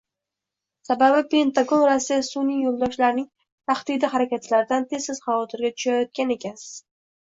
Sababi Pentagon Rossiya sunʼiy yoʻldoshlarining “tahdidli“ harakatlaridan tez-tez xavotirga tushayotgan ekan.